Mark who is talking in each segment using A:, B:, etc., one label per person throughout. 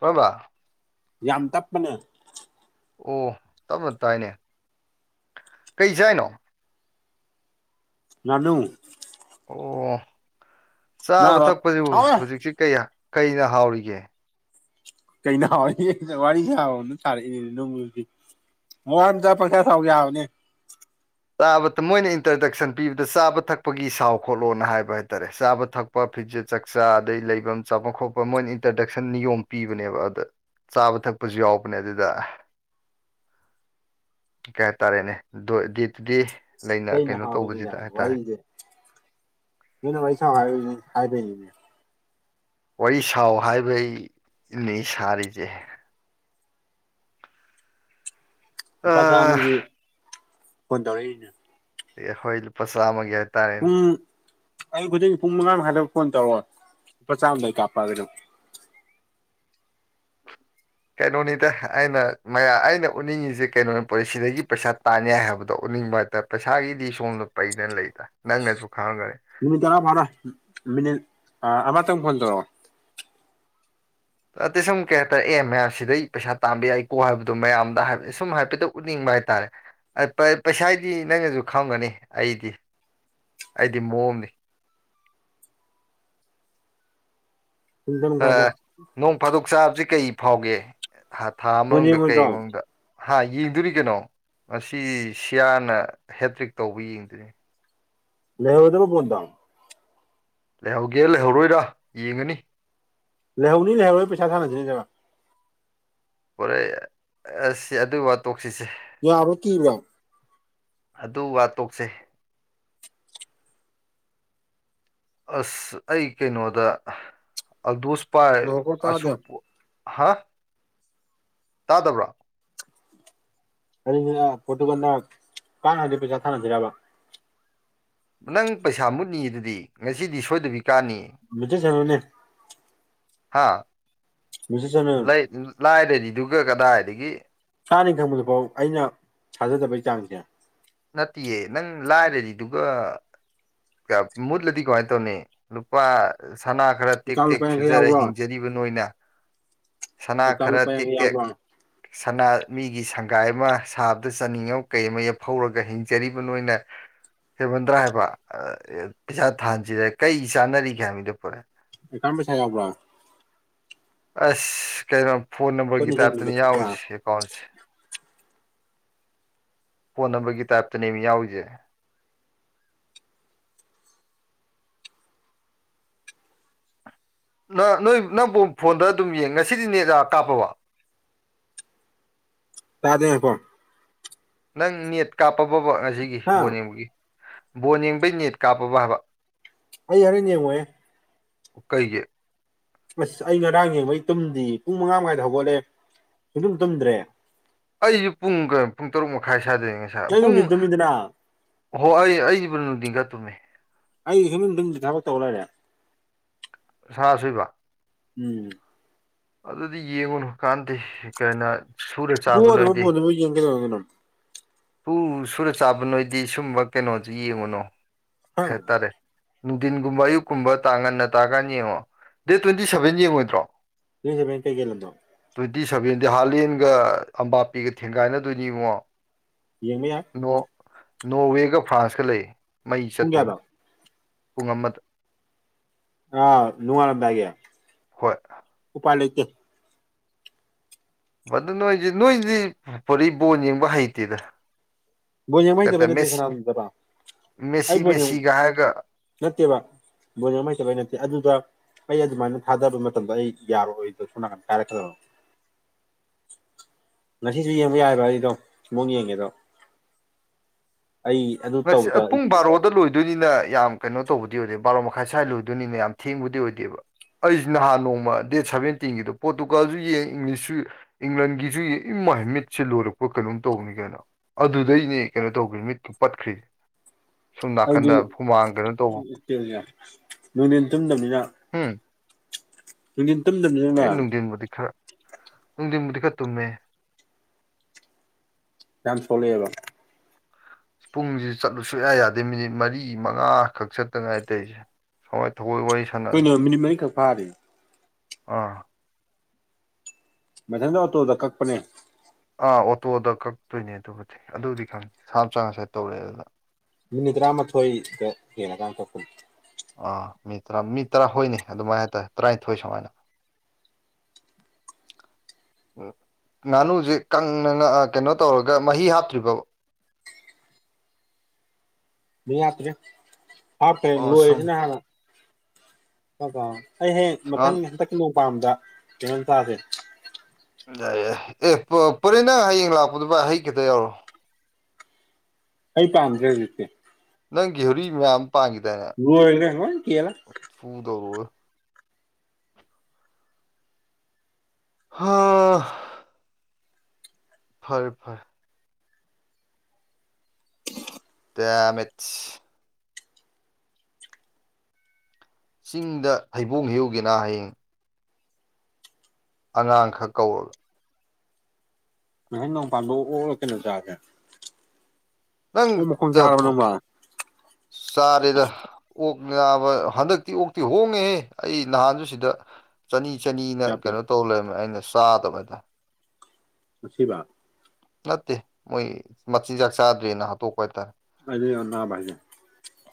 A: ꯃꯣꯔꯝꯕ
B: ꯌꯥꯝ ꯇꯞꯄꯅꯦ
A: ꯑꯣ ꯇꯞꯅ ꯇꯥꯏꯅꯦ ꯀꯩ ꯆꯏꯅꯣ
B: ꯉꯥꯅꯨ
A: ꯑꯣ ꯆꯥꯕ
B: ꯅꯥꯕ
A: ꯊꯛꯄꯁꯤ
B: ꯍꯥꯎꯋꯦ
A: ꯍꯧꯖꯤꯛꯁꯤ ꯀꯩ ꯀꯩꯅ ꯍꯥꯎꯔꯤꯒꯦ
B: ꯀꯩꯅ ꯍꯥꯎꯔꯤꯒꯦ ꯋꯥꯔꯤ ꯁꯔꯛꯑꯣꯅ ꯁꯥꯔꯛꯏꯅꯦ [unintelligible] [unintelligible] ꯊꯥꯎ ꯌꯥꯕꯅꯦ
A: ꯆꯥꯕ ꯃꯣꯏꯅ ꯏꯟꯇ꯭ꯔꯗꯛꯁꯟ ꯄꯤꯕꯗ ꯆꯥꯕ ꯊꯛꯄꯒꯤ ꯁꯥꯎ ꯈꯣꯠꯂꯣꯅ ꯍꯥꯏꯕ ꯍꯥꯏꯇꯥꯔꯦ ꯆꯥꯕ ꯊꯛꯄ ꯆꯄ ꯐꯤꯖꯦꯠ ꯆꯥꯛꯆꯥ ꯑꯗꯩ ꯂꯩꯐꯝ ꯆꯥꯐꯝ ꯈꯣꯠꯄ ꯃꯣꯏꯅ ꯏꯟꯇ꯭ꯔꯗꯛꯁꯟ ꯅꯤꯌꯣꯝ ꯄꯤꯕꯅꯦꯕ ꯑꯗ ꯆꯥꯕ ꯊꯛꯄꯁꯨ ꯌꯥꯎꯕꯅꯦ ꯑꯗꯨꯗ ꯀꯩ ꯍꯥꯏꯇꯥꯔꯦꯅꯦ [unintelligible]
B: ꯀꯩꯅ
A: ꯀꯩꯅꯣ ꯇꯧꯕꯁꯤꯗ
B: [unintelligible]
A: ꯍꯥꯏꯇꯥꯔꯦ
B: ꯋꯥꯔꯤꯁꯦ ꯃꯤꯅꯥ ꯋꯥꯔꯤ ꯁꯥꯎ ꯍꯥꯏꯕꯩꯅꯤꯅꯦ
A: ꯋꯥꯔꯤ ꯁꯥꯎ ꯍꯥꯏꯕꯩ ꯂꯦ ꯁꯥꯔꯤꯁꯦ
B: ꯂꯨꯄꯥ
A: ꯑ
B: ꯆꯥꯝꯃꯥꯒꯤ ꯐꯣꯟ ꯇꯧꯔꯛꯏꯅꯦ
A: ꯍꯣꯏ ꯂꯨꯄꯥ ꯆꯥꯝꯃꯒꯤ ꯍꯥꯏꯇꯥꯔꯦ
B: ꯎꯝ ꯑꯌꯨꯛ ꯈꯨꯗꯤꯡ ꯄꯨꯡ ꯃꯉꯥꯃꯥꯏꯗꯕ ꯐꯣꯟ ꯇꯧꯔꯛꯑꯣ ꯂꯨꯄꯥ ꯆꯥꯝꯃꯗꯣ ꯀꯥꯞꯄꯛꯑꯒꯦ ꯑꯗꯨꯝ
A: ꯀꯩꯅꯣꯅꯤꯗ ꯑꯩꯅ ꯃꯥꯌꯥ ꯑꯩꯅ ꯎꯠꯅꯤꯡꯉꯤꯁꯦ ꯀꯩꯅꯣꯅꯤ ꯄꯣꯂꯤ ꯁꯤꯗꯒꯤ ꯄꯩꯁꯥ ꯇꯥꯟ ꯌꯥꯏ ꯍꯥꯏꯕꯗꯣ ꯎꯅꯤꯡꯕ ꯍꯥꯏꯇꯥ ꯄꯩꯁꯥꯒꯤꯗꯤ ꯁꯣꯝꯗ ꯄꯩꯗꯅ ꯂꯩꯗ ꯅꯪꯅꯁꯨ ꯈꯪꯉꯝꯒꯅꯤ
B: ꯃꯤꯅꯤꯠ ꯇꯔꯥ ꯐꯔꯣꯏ ꯃꯤꯅꯤꯠ ꯑꯃꯇꯪ ꯐꯣꯟ ꯇꯧꯔꯛꯑꯣ
A: ꯑꯇꯩ ꯁꯨꯝ ꯀꯩ ꯍꯥꯏꯇꯥꯔꯦ ꯑꯦ ꯃꯌꯥꯝ ꯁꯤꯗꯩ ꯄꯩꯁꯥ ꯇꯥꯟꯕ ꯌꯥꯏꯀꯣ ꯍꯥꯏꯕꯗꯣ ꯃꯌꯥꯝꯗ ꯍꯥꯏ ꯁꯨꯝ ꯍꯥꯏꯐꯦꯠꯇ ꯎꯠꯅꯤꯡꯕ ꯍꯥꯏꯇꯥꯔꯦ ꯄꯩꯁꯥꯗꯤ ꯅꯪꯅꯁꯨ ꯈꯪꯉꯝꯒꯅꯤ ꯑꯩꯗꯤ ꯑꯩꯗꯤ ꯃꯑꯣꯝꯅꯤ
B: ꯄꯨꯡ ꯇꯔꯨꯛ ꯃꯈꯥꯏꯗ
A: ꯅꯣꯡ ꯐꯥꯗꯣꯛ ꯆꯥꯕꯁꯤ ꯀꯩ ꯐꯥꯎꯒꯦ ꯊꯥ
B: ꯕꯣꯟ
A: ꯃꯅꯨꯡꯗ ꯀꯩ
B: ꯌꯦꯡꯉꯣꯏꯗ꯭ꯔꯣ
A: ꯃꯅꯨꯡꯗ ꯍꯥ ꯌꯦꯡꯗꯣꯔꯤ ꯀꯩꯅꯣ ꯑꯁꯤ ꯁꯤꯌꯥꯅ ꯍꯦꯇ꯭ꯔꯤꯛ ꯇꯧꯕ ꯌꯦꯡꯗꯣꯏꯅꯦ
B: ꯂꯩꯍꯧꯔꯥꯗꯕ ꯕꯣꯟꯗꯣ
A: ꯂꯩꯍꯧꯒꯦ ꯂꯩꯍꯧꯔꯣꯏꯔ ꯌꯦꯡꯉꯅꯤ
B: ꯂꯩꯍꯧꯅꯤ ꯂꯩꯍꯧꯔꯣꯏ ꯄꯩꯁꯥ ꯊꯥꯟꯅꯁꯤꯅꯤ [unintelligible]
A: ꯍꯣꯔꯦ ꯑꯁ ꯑꯗꯨꯒꯤ ꯋꯥ ꯇꯣꯛꯁꯤꯁꯦ
B: ꯌꯥꯕꯔꯣ ꯀꯤꯕꯔꯣ
A: ꯑꯗꯨ ꯋꯥ ꯇꯣꯛꯁꯦ ꯑꯁ ꯑꯩ ꯀꯩꯅꯣꯗ ꯑꯜꯗꯨꯁ ꯄꯥꯏ
B: ꯉꯥꯏꯈꯣꯀꯣ
A: ꯑꯁꯨ
B: ꯇꯥꯗꯦ
A: ꯍꯥ ꯇꯥꯗꯕ꯭ꯔꯣ
B: [unintelligible] ꯄ꯭ꯔꯣꯇꯨꯒꯟꯅ ꯀꯔꯛꯑꯗꯤ ꯄꯩꯁꯥ ꯊꯥꯅꯗꯣꯏꯔꯕ
A: ꯅꯪ ꯄꯩꯁꯥ ꯃꯨꯠꯅꯤꯌꯦ ꯑꯗꯨꯗꯤ ꯉꯁꯤꯗꯤ ꯁꯣꯏꯗꯕꯤ ꯀꯥꯟꯅꯤ
B: ꯃꯨꯠꯆꯁꯥꯅꯨꯅꯦ
A: ꯍꯥꯥ
B: ꯃꯦꯆꯤꯠ ꯁꯅꯨ
A: ꯂꯩ ꯂꯥꯏꯔꯔꯤꯗꯨꯒ ꯀꯗꯥꯏꯗꯒꯤ
B: ꯆꯥꯅꯤ ꯈꯪꯕꯗꯨꯐꯥꯎ ꯑꯩꯅ ꯊꯥꯖꯗꯕꯩ ꯆꯥꯡꯁꯦ
A: ꯅꯠꯇꯤꯌꯦ ꯅꯪ ꯂꯥꯏꯔꯔꯤꯗꯨꯒ ꯃꯨꯠꯂꯗꯤ ꯀꯃꯥꯏ ꯇꯧꯅꯤ ꯂꯨꯄꯥ ꯁꯅꯥ ꯈꯔ ꯇꯦꯛ
B: ꯑꯦꯀꯥꯎꯟ
A: ꯇꯦꯛ
B: ꯂꯨꯄꯥ ꯌꯥꯡꯈꯩ
A: ꯁꯨꯖꯔ
B: ꯌꯥꯎꯕ꯭ꯔꯣ
A: ꯍꯤꯡꯖꯔꯤꯕ ꯅꯣꯏꯅ ꯁꯅꯥ
B: ꯑꯦꯀꯥꯎꯟ
A: ꯈꯔ
B: ꯂꯨꯄꯥ
A: ꯇꯦꯛ
B: ꯌꯥꯡꯈꯩ
A: ꯇꯦꯛ
B: ꯌꯥꯎꯕ꯭ꯔꯣ
A: ꯁꯅꯥ ꯃꯤꯒꯤ ꯁꯪꯒꯥꯏ ꯑꯃ ꯁꯥꯕꯗ ꯆꯥꯅꯤꯡꯉ ꯀꯩ ꯑꯃ ꯍꯧꯔꯒ ꯍꯤꯡꯖꯔꯤꯕ ꯅꯣꯏꯅ ꯍꯦꯟꯃꯟꯗ꯭ꯔꯥ ꯍꯥꯏꯕ ꯄꯩꯁꯥ ꯊꯥꯟꯁꯤꯗ ꯀꯩ ꯆꯥꯅꯔꯤꯒꯦ ꯍꯥꯏꯕꯅꯤꯗ ꯄꯨꯔꯥ
B: ꯑꯦꯀꯌꯥꯎꯟ ꯄꯩꯁꯥ ꯌꯥꯎꯕ꯭ꯔꯥ
A: ꯑꯁ ꯀꯩꯅꯣ ꯐꯣꯟ
B: ꯈꯣꯏ
A: ꯅꯝꯕꯔꯒꯤ
B: ꯅꯤꯡꯁꯤꯡꯕꯤꯕ
A: ꯇꯥꯏꯞꯇꯅꯤ
B: ꯈꯣꯠꯄ
A: ꯌꯥꯎꯔꯤꯁꯦ ꯑꯦꯀꯥꯎꯟꯁꯦ ꯐꯣꯟ ꯅꯝꯕꯔꯒꯤ ꯇꯥꯏꯞꯇꯅꯦꯕ ꯌꯥꯎꯔꯤꯁꯦ ꯅꯪ ꯅꯣꯏ ꯅꯪ ꯐꯣꯟꯗ ꯑꯗꯨꯝ ꯌꯦꯡ ꯉꯁꯤꯗꯤ ꯅꯦꯠ ꯀꯥꯞꯄꯕ
B: ꯇꯥꯗꯦ ꯀꯣ
A: ꯅꯪ ꯅꯦꯠ ꯀꯥꯞꯄꯕꯕ ꯉꯁꯤꯒꯤ
B: ꯍꯥ
A: ꯕꯣꯟ ꯌꯦꯡꯕꯒꯤ ꯕꯣꯟ ꯌꯦꯡꯕꯩ ꯅꯦꯠ ꯀꯥꯞꯄꯕ ꯍꯥꯏꯕ
B: ꯑꯩ ꯍꯣꯔꯦꯟ ꯌꯦꯡꯉꯣꯏꯍꯦ
A: ꯀꯩꯒꯤ
B: ꯑꯁ ꯑꯩ ꯉꯔꯥꯡ ꯌꯦꯡꯕꯩ ꯇꯨꯝꯗ ꯄꯨꯡ ꯃꯪꯉꯥ ꯃꯈꯉꯥꯏꯗ ꯍꯧꯒꯠꯂꯦ ꯁꯨꯛꯇꯨꯝ ꯇꯨꯝꯗ꯭ꯔꯦ
A: ꯑꯩꯁꯨ ꯄꯨꯡ ꯄꯨꯡ ꯇꯔꯨꯛ ꯃꯈꯥꯏ ꯁꯥꯏꯗ ꯌꯦꯡꯉꯦ
B: ꯅꯪ
A: ꯄꯨꯡ
B: ꯅꯨꯡꯊꯤꯟ ꯇꯨꯝꯃꯤꯗꯅ
A: ꯍꯣ ꯑꯩ ꯑꯩꯕꯨ ꯅꯨꯡꯗꯤꯟ ꯈꯔ ꯇꯨꯝꯃꯦ
B: ꯑꯩꯗꯤ ꯁꯨꯛꯇꯨꯝ ꯇꯨꯝꯗꯦ ꯊꯕꯛ ꯇꯧ ꯂꯩꯔꯦ
A: ꯁꯥ ꯁꯣꯏꯕ
B: ꯎꯝ
A: ꯑꯗꯨꯗꯤ ꯌꯦꯡꯉꯨꯅꯨ ꯀꯥꯟꯗꯦ ꯀꯅ
B: ꯄꯦꯗꯔꫭꯕ ꯕꫭꯟꯗꯨꯕꯨ ꯌꯦꯡꯉ ꯀꯩꯗꯧꯅ ꯗꫭꯏꯅꫭ
A: ꯄꯨ ꯁꯨꯔ ꯆꯥꯕ ꯅꯣꯏꯗꯤ ꯁꯨꯝꯕ ꯀꯩꯅꯣꯁꯤ ꯌꯦꯡꯉꯨꯅꯣ
B: ꯍꯥ
A: ꯀꯩ ꯍꯥꯏꯇꯥꯔꯦ ꯅꯨꯡꯊꯤꯟꯒꯨꯝꯕ ꯑꯌꯨꯛꯀꯨꯝꯕ ꯇꯥꯡ ꯉꯟꯅ ꯇꯥꯔꯀꯥꯟꯗ ꯌꯦꯡꯉꯣ ꯗꯦꯠ ꯇꯨ꯭ꯋꯦꯟꯇꯤ ꯁꯕꯦꯟ ꯌꯦꯡꯉꯣꯏꯗ꯭ꯔꯣ
B: ꯌꯦꯡꯒꯦ ꯕꯥꯏ ꯀꯩ ꯀꯩ ꯂꯝꯅꫭ
A: ꯇꯨ꯭ꯋꯦꯟꯇꯤ ꯁꯚꯦꯟꯗꯤ ꯍꯥꯂꯦꯟꯒ ꯑꯄꯥꯄꯤꯒ ꯊꯦꯡꯒꯥꯏꯅꯗꯣꯏꯅꯤ ꯏꯕꯨꯡꯉꫭ
B: ꯌꯦꯡꯕ ꯌꯥꯏ
A: ꯅꫭꯔ ꯅꯣꯔꯋꯦꯒ ꯐ꯭ꯔꯥꯟꯁꯀ ꯂꯩ ꯃꯩ
B: ꯄꯨꯡ
A: ꯆꯠꯇꯣꯏꯅꯤ
B: ꯀꯌꯥꯗ
A: ꯄꯨꯡ ꯑꯃꯗ
B: ꯑ ꯅꯣꯡꯉꯥꯜ ꯂꯝꯗꯥꯏꯒꯤ
A: ꯍꯣꯏ
B: ꯎꯄꯥꯏ ꯂꯩꯇꯦ
A: ꯑꯗꯨ ꯅꯣꯏꯗꯤ ꯅꯣꯏꯗꯤ ꯄꯨꯔꯤ ꯕꯣꯟ ꯌꯦꯡꯕ ꯍꯩꯇꯦꯗ
B: ꯕꯣꯜ ꯌꯦꯡꯕ
A: ꯀꯗ
B: ꯍꯩꯇꯕꯩ ꯅꯠꯇꯦ
A: ꯃꯦꯁꯤ
B: ꯁꯅꯥꯗꯕ
A: ꯃꯦꯁꯤ
B: ꯑꯩ ꯕꯣꯜ ꯌꯦꯡ
A: ꯃꯦꯁꯤꯒ ꯍꯥꯏꯒ
B: ꯅꯠꯇꯦꯕ ꯕꯣꯟ ꯌꯦꯡꯕ‌ ꯍꯩꯇꯕꯩ ꯅꯠꯇꯦ ꯑꯗꯨꯗ ꯑꯩ ꯑꯗꯨꯃꯥꯏꯅ ꯊꯥꯗꯕ ꯃꯇꯝꯗꯣ ꯑꯩ ꯌꯥꯔꯣꯏꯗ ꯁꯣꯝ ꯅꯥꯀꯟꯗ ꯀꯥꯏꯔꯛꯀꯗꯕ
A: [inaudible]
B: ꯉꯁꯤꯁꯨ ꯌꯦꯡꯕ ꯌꯥꯏꯌꯦꯕ ꯑꯩꯗꫭ ꯃꯑꫭꯡ ꯌꯦꯡꯉꯦꯗꯣ ꯑꯩ ꯑꯗꯨ
A: ꯉꯁꯤ
B: ꯇꯧꯕꯗ
A: ꯄꯨꯡ ꯕꯥꯔꯣꯗ ꯂꯣꯏ ꯑꯗꯨꯅꯤꯅ ꯌꯥꯝ ꯀꯩꯅꯣ ꯇꯧꯕꯗꯤ ꯑꯣꯏꯗꯦ ꯕꯥꯔꯣ ꯃꯈꯥꯏ ꯁ꯭ꯋꯥꯏ ꯂꯣꯏꯗꯣꯏꯅꯤꯅ ꯌꯥꯝ ꯊꯦꯡꯕꯗꯤ ꯑꯣꯏꯗꯦꯕ ꯑꯩꯁꯨ ꯅꯍꯥꯟ ꯅꯣꯡꯃ ꯗꯦꯠ ꯁꯕꯦꯟꯇꯤꯟꯒꯤꯗꯣ ꯄꯣꯔꯇꯨꯒꯜꯁꯨ ꯌꯦꯡ ꯏꯪꯂꯤꯁꯁꯨ ꯏꯪꯂꯟꯒꯤꯁꯨ ꯏꯃꯥꯏ ꯃꯤꯠꯁꯦ ꯂꯣꯏꯔꯛꯄ ꯀꯩꯅꯣꯝ ꯇꯧꯕꯅꯤ ꯀꯩꯅꯣ ꯑꯗꯨꯗꯩꯅꯦ ꯀꯩꯅꯣ ꯇꯧꯈꯤ ꯃꯤꯠꯀ ꯄꯠꯈ꯭ꯔꯤꯁꯦ ꯁꯣꯝ
B: ꯑꯩꯗꯤ
A: ꯅꯥꯀꯟꯗ ꯍꯨꯃꯥꯡ ꯀꯩꯅꯣ ꯇꯧꯕ
B: ꯄꯦꯂꯦ ꯅꯨꯡꯗꯤꯟ ꯇꯨꯝꯗꯕꯅꯤꯅ
A: ꯍꯨꯝ
B: ꯅꯨꯡꯗꯨꯟ ꯇꯨꯝꯗꯝꯅꯤꯅ
A: ꯍꯣꯏ ꯅꯨꯡꯗꯤꯟꯕꯨꯗꯤ ꯈꯔ ꯅꯨꯡꯗꯤꯟꯕꯨꯗꯤ ꯈꯔ ꯇꯨꯝꯃꯦ
B: ꯌꯥꯝ‌ ꯁꫭꯛꯂꯦꯕ
A: ꯄꯨꯡꯁꯤ ꯆꯠꯂꯨ ꯁꯨꯡꯌꯥ ꯌꯥꯗꯦ ꯃꯤꯅꯤꯠ ꯃꯔꯤ ꯃꯉꯥꯈꯛ ꯆꯠꯇ ꯉꯥꯏꯔꯤ ꯇꯧꯏꯁꯦ [unintelligible]
B: ꯍꫭꯏꯅ ꯃꯤꯅꯤꯠ ꯃꯔꯤꯈꯛ ꯐꯥꯔꯤ
A: ꯎꯥ
B: ꯃꯊꯗ ꯑꫭꯇꫭꯗ ꯀꯛꯄꯅꯦ
A: ꯑꯥ ꯑꯣꯇꯣꯗ ꯀꯛꯇꯣꯏꯅꯦ ꯑꯗꯨꯕꯨꯗꯤ ꯑꯗꯨꯗꯤ ꯈꯪꯅꯤꯦ ꯁꯥ ꯆꯥꯡ ꯉꯁꯥꯏꯗ ꯇꯧꯔꯦ ꯑꯗꯨꯗ
B: ꯃꯤꯅꯤꯠ ꯇꯔꯥꯃꯥꯊꯣꯏꯗ ꯈꯤꯇꯪ ꯂꯩꯦꯂꯀꯥꯟꯗ ꯀꯛꯄꯅꯤ
A: ꯑꯥ ꯃꯤ ꯇꯔꯥ ꯃꯤ ꯇꯔꯥꯍꯣꯏꯅꯤ ꯑꯗꯨꯃꯥꯏꯅ ꯍꯥꯏꯇꯥꯔꯦ ꯇꯔꯥꯅꯤꯊꯣꯏ ꯁꯨꯃꯥꯏꯅ ꯉꯥꯅꯨꯁꯦ ꯀꯪꯅꯅ ꯑꯩ ꯀꯩꯅꯣ ꯇꯧꯔꯒ ꯃꯍꯤ ꯍꯥꯞꯇ꯭ꯔꯤꯕꯧ
B: ꯃꯍꯤ ꯍꯥꯞꯇ꯭ꯔꯦ ꯍꯥꯞꯇꯦ
A: ꯑꯣ ꯁꯨꯝ
B: ꯂꯣꯏꯔꯦꯗꯅ ꯍꯥꯟꯅ ꯑꯩ ꯍꯦꯛ ꯃꯊꯪ ꯍꯟꯗꯛꯀꯤ ꯅꯣꯡ ꯄꯝꯗ ꯀꯩꯅꯣꯝ ꯆꯥꯁꯦ
A: ꯌꯥꯏ ꯌꯥꯏ ꯑꯦ ꯄꯔꯦꯅꯥ ꯍꯌꯦꯡ ꯂꯥꯛꯄꯗꯨ ꯚꯥꯏ ꯍꯩ ꯈꯤꯇ ꯌꯥꯎꯔꯣ [inaudible]
B: ꯑꯩ ꯇꯥꯡꯈ꯭ꯔꯦ ꯍꯧꯖꯤꯛꯇꯤ
A: ꯅꯪꯒꯤ ꯍꯧꯔꯤ ꯃꯌꯥꯝ ꯄꯥꯡꯈꯤꯗꯏꯅꯦ
B: ꯨ ꯂꯣꯏꯒ꯭ꯔꯦ ꯂꫭꯏꯟ ꯀꯦꯂꯒ
A: ꯐꯨꯗꯔꯣ ꯍꯥ ꯐꯔꯦ ꯐꯔꯦ ꯇꯦꯔꯃꯦꯠꯁ ꯆꯤꯡꯗ ꯍꯩꯕꯣꯡ ꯍꯦꯛꯎꯒꯦ ꯍꯌꯦꯡ ꯑꯉꯥꯡꯈꯛ ꯀꯧꯔꯒ
B: ꯃꯊꯪ ꯅꫭꯉꯄꯥꯟꯕ ꯑꯣꯛ ꯂꯥ ꯀꯩꯅꫭ ꯆꯥꯁꯦ
A: ꯅꯪ
B: ꯑꯣꯛ ꯃꯈꯣꯡ ꯆꯥꯔꯕ
A: ꯇꯥꯠꯄꯨ
B: ꯅꯣꯡꯃ
A: ꯆꯗꯦꯗ ꯑꯣꯛ ꯅꯕ ꯍꯟꯗꯛꯇꯤ ꯑꯣꯛꯇꯤ ꯍꯣꯡꯉꯦꯍꯦ ꯑꯩ ꯅꯍꯥꯟꯁꯨ ꯁꯤꯗ ꯆꯅꯤ ꯆꯅꯤꯅ
B: ꯀꯌꯥ ꯄꯤ
A: ꯀꯩꯅꯣ ꯇꯧ ꯂꯩꯔ ꯑꯩꯅ ꯆꯥꯗꯕ‌ ꯍꯥꯏꯇꯥꯏ
B: ꯑꯁꯤꯕ
A: ꯅꯠꯇꯦ ꯃꯣꯏ ꯃ.. ꯆꯤꯟꯖꯥꯛ ꯆꯥꯗ꯭ꯔꯦꯅ ꯍꯥꯠꯇꯣꯛꯄ ꯍꯥꯏꯇꯥꯔꯦ
B: ꯑꯗꯨꯗꯅꯥꯕꯥ ꯍꯥꯏꯖꯦ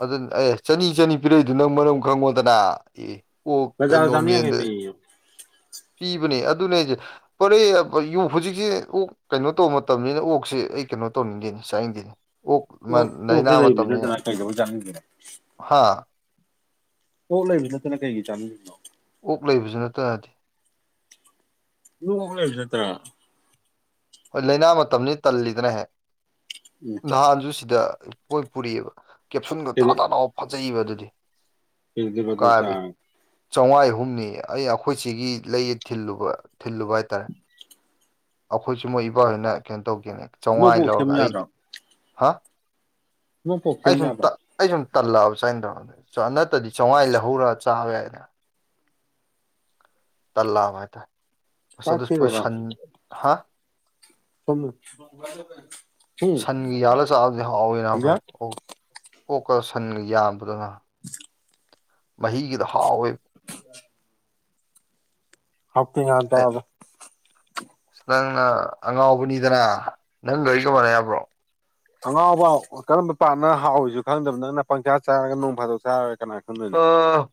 A: ꯑꯗꯨꯅ ꯑꯦ ꯆꯅꯤ ꯆꯅꯤ ꯄꯤꯔꯛꯏꯗꯨ ꯅꯪ ꯃꯔꯝ ꯈꯪꯉꯣꯗꯅ ꯑꯦ ꯀ
B: ꯕꯖꯥꯔꯗ ꯆꯥꯝꯃ
A: ꯅꯣꯔꯃꯦꯟꯗ
B: ꯌꯥꯡꯈꯩ ꯄꯤꯌꯦ ꯑꯣꯛ
A: ꯄꯤꯕꯅꯦ ꯑꯗꯨꯅꯦ ꯑꯩꯁꯦ ꯐꯣꯔꯦ ꯍꯧꯖꯤꯛꯁꯦ ꯑꯣꯛ ꯀꯩꯅꯣ ꯇꯧꯕ ꯃꯇꯝꯅꯤꯅ bh ꯑꯩ ꯀꯩꯅꯣ ꯇꯧꯅꯤꯡꯗꯦꯅꯤ ꯆꯥꯅꯤꯡꯗꯦꯅꯤ
B: ꯑꯣ ꯑꯣꯛꯁꯦ ꯂꯩꯕꯤꯅꯗꯅ ꯀꯩꯗꯧꯕꯩ ꯆꯥꯅꯤꯡꯗꯤꯔꫭ
A: ꯍꯥꯥ
B: ꯑꫭꯗ ꯂꯩꯕꯁꯨ ꯅꯠꯇꯅ ꯀꯩꯒꯤ ꯆꯥꯅꯤꯉꯉꯤꯅꯣ
A: ꯑꯣꯛ ꯂꯩꯕꯁꯨ ꯅꯠꯇꯅꯗꯤ
B: [unintelligible]
A: ꯍꯣꯏ ꯂꯥꯏꯅꯥ ꯃꯇꯝꯅꯤ ꯇꯜꯂꯤꯗꯅꯍꯦꯛ
B: ꯎꯝ
A: ꯅꯍꯥꯟꯁꯨ ꯁꯤꯗ ꯄꯣꯠ ꯄꯨꯔꯛꯑꯕ ꯀꯦꯞꯁꯟꯗꯣ ꯊꯥ ꯊꯥꯅꯅꯥ ꯐꯖꯩꯕ ꯑꯗꯨꯗꯤ
B: ꯐꯤꯗꯕꯗꯨ ꯆꯥ
A: ꯆꯥꯝꯉꯥ ꯑꯍꯨꯝꯅꯤ ꯑꯩ ꯆꯥꯒꯤ‌ ꯊꯤꯜꯂꯨꯕ ꯊꯤꯜꯂꯨꯕ ꯍꯥꯏꯇꯥꯔꯦ
B: [inaudible]
A: ꯑꯩꯈꯣꯏꯁꯨ ꯃꯣꯏ ꯏꯕꯥꯎꯍꯣꯏꯅ ꯀꯩꯅꯣ ꯇꯧꯒꯦꯅꯦ
B: ꯏꯁꯃꯣꯛ
A: ꯆꯥꯉꯥꯏ
B: ꯄꯣꯛ
A: ꯂꯧꯔꯒ
B: ꯁꯦꯝꯕ ꯌꯥꯗ꯭ꯔꯣ
A: ꯑꯩꯗꯤ ꯍꯥ
B: ꯏꯁꯃꯣꯛ ꯄꯣꯛ
A: ꯑꯩ
B: ꯁꯦꯝꯕ
A: ꯁꯎꯝ
B: ꯌꯥꯗ꯭ꯔꯣ
A: ꯇ ꯑꯩ ꯁꯨꯝ ꯇꯜꯂꯛꯑꯕ ꯁꯨꯃꯥꯏꯅ ꯇꯧꯔ ꯅꯠꯇ꯭ꯔꯗꯤ ꯆꯦꯡꯋꯥꯏ ꯂꯩꯍꯧꯔꯒ ꯆꯥꯕ ꯌꯥꯏꯗꯅ ꯇꯂꯥꯏꯇꯥ
B: ꯆꯥꯛ ꯊꯤꯔꯨꯔꯣ
A: ꯑꯗꯨꯄꯟ ꯍꯥ
B: ꯁꯨꯝ ꯍꯨꯝ
A: ꯁꯟꯒꯤ ꯌꯥꯜꯂ ꯆꯥꯕꯗꯤ ꯍꯥꯎꯋꯦ
B: ꯌꯥ
A: ꯐꯔꯦ ꯑꯣ ꯀꯣꯛꯀꯗ ꯁꯟꯒ ꯌꯥꯝꯕꯗꯨꯅ ꯃꯍꯤꯒꯤꯗ ꯍꯥꯎꯋꯦ
B: ꯑ ꯍꯥꯞꯇꯤꯉ ꯇꯕꯦ
A: ꯑꯁ ꯅꯪꯅ ꯑꯉꯥꯎꯕꯅꯤꯗꯅ ꯅꯪ ꯂꯣꯏ ꯀꯃꯅ ꯍꯥꯏꯕ꯭ꯔꯣ
B: ꯑꯉꯥꯎꯕ ꯀꯔꯝꯕ ꯄꯥꯠꯅ ꯍꯥꯎꯏꯁꯨ ꯈꯪꯗꯕ ꯅꯪꯅ ꯄꯪꯁꯥ ꯆꯥꯔꯒ ꯅꯣꯡ ꯐꯥꯗꯣꯛ ꯆꯥꯔꯣꯏ
A: ꯑ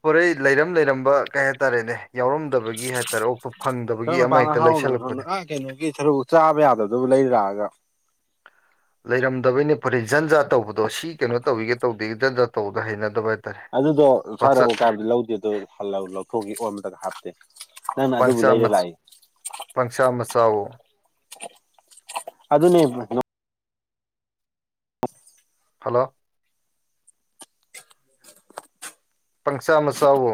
A: ꯍꯣꯔꯩ ꯂꯩꯔꯝ ꯂꯩꯔꯝꯕ ꯀꯩ ꯍꯥꯏꯇꯥꯔꯦꯅꯦ ꯌꯥꯎꯔꯝꯗꯕꯒꯤ ꯍꯥꯏꯇꯥꯔꯦ ꯑꯣꯛꯇꯣ ꯐꯪꯗꯕꯒꯤ ꯑꯃ ꯍꯦꯛꯇ ꯂꯩꯁꯜꯂꯛꯄꯅꯦ
B: ꯒꯤ ꯁꯔꯨꯛ ꯆꯥꯕ ꯌꯥꯗꯕꯗꯨꯕꯨ ꯂꯩꯔꯥꯛꯑꯒ
A: ꯂꯩꯔꯝꯗꯕꯩꯅꯤ ꯐꯔꯦ ꯖꯟꯖꯥ ꯇꯧꯕꯗꯣ ꯁꯤ ꯀꯩꯅꯣ ꯇꯧꯤꯒꯦ ꯇꯧꯦꯒꯦꯖꯟꯖ ꯇꯧꯗ ꯍꯩꯅꯗꯕ ꯍꯥꯏꯇꯥꯔꯦ
B: ꯑꯗꯨꯗꯣ ꯁꯗ
A: ꯄꯪꯆ
B: ꯎꯀꯥꯕꯗꯤ ꯂꯧꯗꯦ ꯑꯗꯨ ꯂꯧꯊꯣꯛꯈꯤ ꯑꯣ ꯑꯃꯗꯒ ꯍꯥꯞꯇꯦ ꯅꯪꯅ ꯑꯗꯨꯕꯨ
A: ꯄꯁ
B: ꯂꯩꯔ ꯂꯥꯛꯏ
A: ꯄꯪꯁꯥ ꯃꯆꯥꯥꯎ
B: ꯑꯗꯨꯅꯦ
A: ꯍꯜꯂꯣ ꯄꯪꯁꯥ ꯃꯁꯥꯎꯋꯣ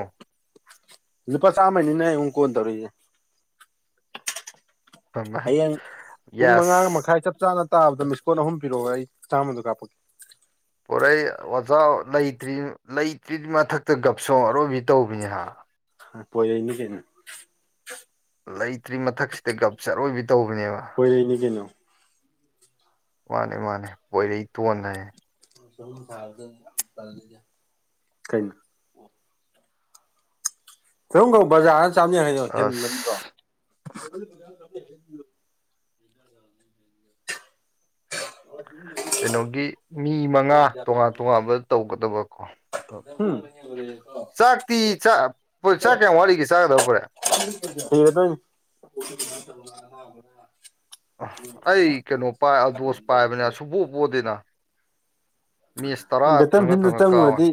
B: ꯂꯨꯄꯥ ꯆꯃꯥꯏꯅꯤ ꯅꯦ ꯀꯣꯟꯇꯧꯔꯛꯑꯤꯁꯦ ꯍꯌꯦꯡ ꯄꯨꯡ ꯃꯉꯥꯒ
A: ꯌꯦꯁ
B: ꯃꯈꯥꯏ ꯆꯞ ꯆꯥꯅ ꯇꯥꯕꯗ ꯃꯤꯁꯀꯣꯠ ꯑꯍꯨꯝ ꯄꯤꯔꯛꯒ ꯑꯩ ꯆꯥꯝꯃꯗꯣ ꯀꯥꯞꯄꯛꯀꯦ
A: ꯄꯣꯔꯩ ꯑꯣꯖꯥ ꯂꯩꯇ꯭ꯔꯤ ꯂꯩꯇ꯭ꯔꯤ ꯃꯊꯛꯇ ꯒꯞꯁꯣ ꯑꯔꯣꯏꯕꯤ ꯇꯧꯕꯅꯤ ꯍꯥꯏ
B: ꯍꯣꯏ ꯄꯣꯏꯔꯅꯤ ꯀꯩꯅꯣ
A: ꯂꯩꯇ꯭ꯔꯤ ꯃꯊꯛꯁꯤꯗ ꯒꯞ ꯑꯔꯣꯏꯕꯤ ꯇꯧꯕꯅꯦꯕ
B: ꯍꯣꯏꯔꯛꯏꯅꯤ ꯀꯩꯅꯣ
A: ꯃꯥꯅꯦ ꯃꯥꯅꯦ ꯄꯣꯏꯔꯩ ꯇꯣꯟ ꯍꯥꯏꯌꯦ
B: ꯊꯗ ꯀꯩ ꯀꯣꯝ ꯀꯧ ꯕꯖꯥꯔꯅ ꯆꯥꯝꯃꯤ ꯍꯥꯏꯅꯣ ꯍꯦꯟꯕꯟꯗ꯭ꯔꯣ
A: ꯑꯁ ꯀꯩꯅꯣꯒꯤ ꯃꯤ ꯃꯉꯥ ꯇꯣꯉꯥꯟ ꯇꯣꯉꯥꯟꯕ ꯇꯧꯒꯗꯕꯀꯣ
B: ꯎꯝ
A: ꯆꯥꯛꯇꯤ ꯆꯥꯛ ꯆꯥꯛ ꯀꯌꯥꯝ ꯋꯥꯠꯂꯤꯒꯦ ꯆꯥꯒꯗꯕ ꯄꯨꯔꯦ
B: ꯊꯤꯔ ꯗꯨꯅꯤ
A: ꯑꯩ ꯀꯩꯅꯣ ꯄꯥꯏ ꯑꯗꯣꯁ ꯄꯥꯏꯕꯅꯦ ꯁꯨꯕꯣꯄꯣꯗꯦꯅ
B: ꯕꯦꯇꯔ ꯐꯤꯟꯗ
A: ꯀꯥꯎꯋꯦ
B: ꯆꯪꯉꯨꯔꯗꯤ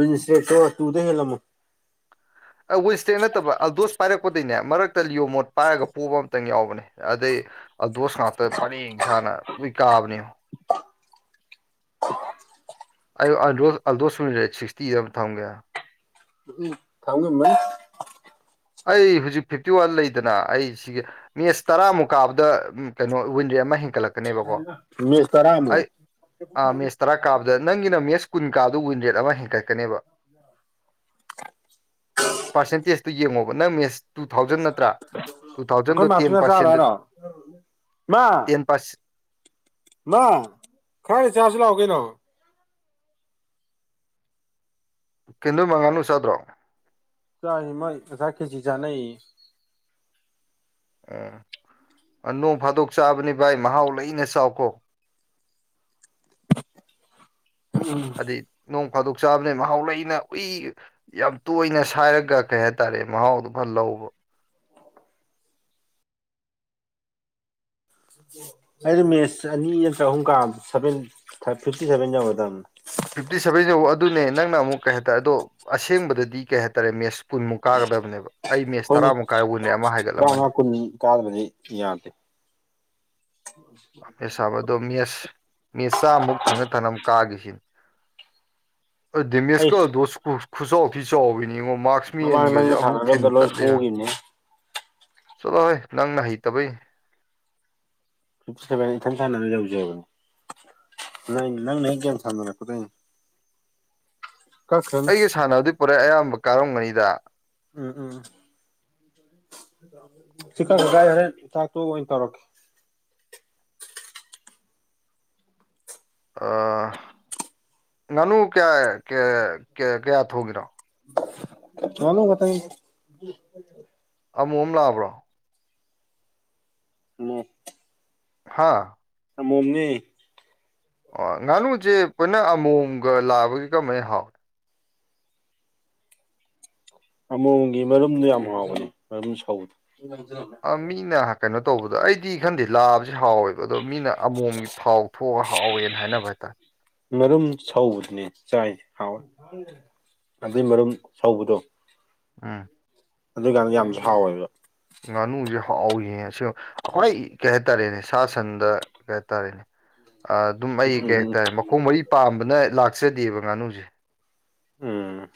B: ꯋꯁꯛꯇ ꯇꯨꯗ ꯍꯦꯜꯂꯝꯃꯣ
A: ꯋꯤꯟꯁꯇꯦꯛ ꯅꯠꯇꯕ ꯑꯜꯗꯣꯁ ꯄꯥꯏꯔꯛꯄꯗꯩꯅꯦ ꯃꯔꯛꯇ ꯂꯤꯌꯣ ꯃꯣꯠ ꯄꯥꯏꯔꯒ ꯄꯨꯕ ꯑꯃꯇꯪ ꯌꯥꯎꯕꯅꯦ ꯑꯗꯩ ꯑꯗꯣꯁ ꯉꯥꯛꯇ ꯄꯔꯦꯡ ꯁꯥꯥꯅ ꯂꯏ ꯀꯥꯕꯅꯦ ꯑꯩ ꯑꯜꯗꯣꯁ ꯑꯜꯗꯣꯁ ꯁꯨꯅ ꯔꯦꯠ ꯁꯤꯛꯁꯇꯤꯗ ꯑꯃꯝ ꯊꯝꯒꯦ
B: ꯎꯝꯝ ꯊꯥꯎꯉꯝꯅꯤ
A: ꯑꯩ ꯍꯧꯖꯤꯛ ꯐꯤꯞꯇꯤ ꯋꯥꯟ ꯂꯩꯗꯅ ꯑꯩ ꯁꯤꯒꯤ ꯃꯤꯁ ꯇꯔꯥꯃꯨꯀꯥꯞꯗ ꯀꯩꯅꯣ ꯋꯤꯟꯖꯦ ꯑꯃ ꯍꯦꯟꯀꯠꯂꯛꯄ
B: ꯃꯤꯁ ꯇꯥꯔꯥ ꯃꯨꯛ
A: ꯑꯥ ꯃꯦꯠꯁ ꯇꯔꯥ ꯀꯥꯕꯗ ꯅꯪꯒꯤꯅ ꯃꯦꯁ ꯀꯨꯟ ꯀꯥꯗ ꯋꯤꯟ ꯔꯦꯠ ꯑꯃ ꯍꯦꯟꯒꯠꯀꯅꯦꯕ
B: [unintelligible]
A: ꯄꯔꯁꯦꯟꯇꯁ ꯇꯨ ꯌꯦꯛꯉꯣ ꯅꯁ ꯇꯨ ꯊꯥꯎꯖꯟ ꯅꯠꯇ꯭ꯔꯥ ꯇꯨ ꯊꯥꯎꯖꯟꯗꯣ
B: ꯑꯩꯈꯣꯏ
A: ꯇꯦꯟ
B: ꯃꯥꯁꯨꯅ ꯆꯥꯔꯣ
A: ꯄꯥꯔꯁꯦꯟꯗ
B: ꯍꯥꯏꯔꯣ ꯃꯥ
A: ꯇꯦꯝ ꯄꯥꯁ
B: ꯃꯥ ꯈꯔ ꯆꯁꯤ ꯂꯥꯛꯑꯣ ꯀꯩꯅꯣ
A: ꯀꯩꯅꯣ ꯅꯣꯏꯃꯥ ꯉꯥꯅꯨꯆꯥꯗ꯭ꯔꯣ
B: ꯆꯥꯏꯑꯦ ꯃ ꯉꯥꯁꯥꯏ ꯈꯦꯔꯆꯤ ꯆꯥꯅꯩꯑꯦ
A: ꯎꯝ ꯅꯣꯡ ꯐꯥꯗꯣꯛ ꯆꯥꯕꯅꯤ ꯚꯥꯏ ꯃꯍꯥꯎ ꯂꯩꯅ ꯆꯥꯎꯈꯣ
B: ꯎꯝ
A: ꯍꯥꯏꯗꯤ ꯅꯣꯡ ꯐꯥꯗꯣꯛ ꯆꯥꯕꯅꯦ ꯃꯍꯥꯎ ꯂꯩꯅ ꯎꯏ ꯌꯥꯝ ꯇꯣꯏꯅ ꯁꯥꯏꯔꯒ ꯀꯩ ꯍꯥꯏ ꯇꯔꯦ ꯃꯍꯥꯎꯗꯨꯣ ꯐ ꯂꯧꯕ
B: ꯑꯩꯗꯤ ꯃꯦꯠꯁ ꯑꯅꯤ ꯅꯇꯔ ꯆꯍꯨꯝ ꯀ ꯁꯚꯦꯟ ꯐꯤꯞꯇꯤ ꯁꯚꯦꯟ ꯌꯧꯒꯗꯕꯅꯦ
A: ꯐꯤꯞꯇꯤ ꯁꯚꯦꯟꯁꯤ ꯌꯧꯎ ꯑꯗꯨꯅꯦ ꯅꯪꯅ ꯑꯃꯨꯛ ꯀꯩ ꯍꯥꯏꯇꯥꯔꯦ ꯑꯗꯣ ꯑꯁꯦꯡꯕꯗꯗꯤ ꯀꯩ ꯍꯥꯏꯇꯥꯔꯦ ꯃꯦꯠꯁ ꯀꯨꯟꯃꯨꯛ ꯀꯥꯒꯗꯕꯅꯦꯕ ꯑꯩ ꯃꯦꯠꯁ
B: ꯍꯣꯏꯅꯦ
A: ꯇꯔꯥꯃꯨꯛ ꯀꯥꯏꯔꯒꯅꯦ ꯑꯃ ꯍꯥꯏꯒꯠꯂꯝꯃꯅꯤ
B: ꯀꯥꯗꯗꯤ ꯌꯥꯗꯦ
A: ꯃꯦꯁ ꯁꯥꯕ ꯑꯗꯣ ꯃꯦꯁ ꯃꯦꯁ ꯆꯥꯃꯨꯛ ꯊꯪꯅ ꯊꯪꯕꯝ ꯀꯥꯈꯤꯁꯤꯅꯤ
B: ꯑꯩ
A: ꯃꯦꯁꯀꯗꯣ ꯈꯨꯆꯥꯎꯗꯤꯤ ꯆꯥꯎꯕꯅꯤꯉꯣ ꯃꯥꯛꯁ
B: ꯃꯃꯥꯡ
A: ꯃꯦꯟꯒꯁꯨꯦ
B: ꯅꯪꯒ
A: ꯑꯃꯨꯛ ꯊꯤꯟ
B: ꯁꯥꯟꯅꯔꯨꯕꯗ ꯂꯣꯏ
A: ꯇꯠꯂꯦ
B: ꯄꯣꯈꯤꯕꯅꯦ
A: ꯆꯠꯂꯣ ꯍꯣꯏ ꯅꯪꯅ ꯍꯩꯇꯕꯩ
B: ꯐꯤꯞꯇꯤ ꯁꯚꯦꯟ ꯏꯊꯟ ꯇꯥꯟꯅꯅ ꯌꯧꯖꯕꯅꯦ ꯅ ꯅꯪꯅ ꯀꯅꯤ ꯊꯥꯟꯅꯅ ꯀꯣꯗ
A: ꯑꯩꯒꯤ ꯁꯥꯟꯅꯕꯗꯤ ꯄꯨꯔꯛꯦ ꯑꯌꯥꯝꯕ ꯀꯥꯔꯝꯒꯅꯤꯗ
B: ꯎꯝ ꯎꯝ ꯎꯝ ꯆꯀꯪꯗꯥꯥꯏ ꯍꯣꯔꯦꯟ ꯆꯥꯛꯇꯨ ꯑꯣꯏꯅ ꯇꯧꯔꯛꯀꯦ
A: ꯉꯥꯅꯨ ꯀꯌꯥ ꯀ ꯀꯌꯥ ꯊꯣꯛꯒꯔꯣ
B: ꯆꯂꯣ ꯀꯊꯒꯤ
A: ꯑꯃꯨ ꯑꯃ ꯂꯥꯛꯑꯕ꯭ꯔꯣ
B: ꯅ
A: ꯍꯥꯥ
B: ꯁꯃꯣꯝꯅꯤ
A: ꯑꯣ ꯉꯥꯅꯨꯁꯦ ꯄꯨꯅ ꯑꯃꯣꯝꯒ ꯂꯥꯛꯕꯒꯤ ꯀꯃꯥꯏꯅ ꯍꯥꯎꯏ
B: ꯑꯃꯣꯝꯒꯤ ꯃꯔꯨꯝꯗꯨꯣ ꯌꯥꯝ ꯍꯥꯎꯕꯅꯤ ꯃꯔꯨꯝ ꯁꯧꯗꯣ
A: ꯃꯤꯅ ꯀꯩꯅꯣ ꯇꯧꯕꯗ ꯑꯩꯗꯤ ꯈꯟꯗꯦ ꯂꯥꯕꯁꯤ ꯍꯥꯎꯋꯦꯕ ꯑꯗꯣ ꯃꯤꯅ ꯑꯃꯣꯝꯒꯤ ꯊꯥꯎ ꯊꯣꯛꯑꯒ ꯍꯥꯎꯋꯦꯅ ꯍꯥꯏꯅꯕ ꯍꯥꯏꯇꯥꯔꯦ
B: ꯃꯔꯨꯝ ꯁꯧꯕꯗꯨꯅꯤ ꯆꯥꯏ ꯍꯥꯎꯋꯦ ꯑꯗꯨꯏ ꯃꯔꯨꯝ ꯁꯧꯕꯗꯣ
A: ꯑ
B: ꯑꯗꯨꯏꯀꯥꯟꯗ ꯌꯥꯝꯁꯨ ꯍꯥꯎꯋꯦꯕ
A: ꯉꯥꯅꯨꯁꯦ ꯍꯥꯎꯏꯉ ꯁꯤ ꯑꯩꯈꯣꯏ ꯀꯩ ꯍꯥꯏꯇꯥꯔꯦꯅꯦ ꯁꯥ ꯁꯟꯗ ꯀꯩ ꯍꯥꯏꯇꯥꯔꯦꯅꯦ ꯑꯗꯨꯝ ꯑꯩ ꯀꯩ
B: ꯎꯝ
A: ꯍꯥꯏꯇꯥꯔꯦ ꯃꯈꯣꯡ ꯃꯔꯤ ꯄꯥꯝꯕꯅ ꯂꯥꯛꯆꯗꯦꯕ ꯉꯥꯅꯨꯁꯦ
B: ꯎꯝ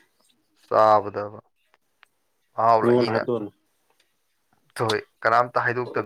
A: ꯇꯥꯕꯗꯕ
B: ꯃꯤꯉꯣꯟ
A: ꯃꯍꯥꯎꯂꯛꯏꯩꯅ
B: ꯍꯥꯏꯗꯣꯛꯑꯅꯨ
A: ꯁꯍꯣꯏ ꯀꯅꯥꯝꯇ ꯍꯥꯏꯗꯣꯛꯇꯕꯅ